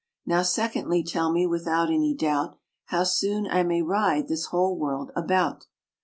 Now secondly tell me, without any doubt, How soon I may ride this whole world about.'